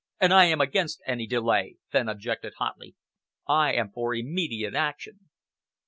"And I am against any delay," Fenn objected hotly. "I am for immediate action."